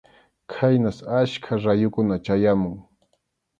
Khaynas achka rayukuna chayamun.